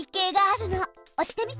押してみて。